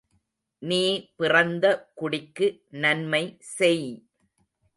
நீ பிறந்த குடிக்கு நன்மை செய்!